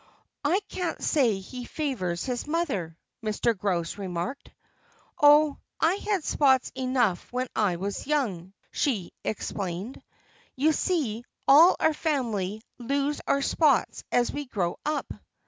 "I can't say he favors his mother," Mr. Grouse remarked. "Oh, I had spots enough when I was young," she explained. "You see, all our family lose our spots as we grow up."